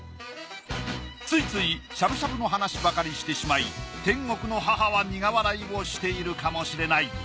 ついついしゃぶしゃぶの話ばかりしてしまい天国の母は苦笑いをしているかもしれない。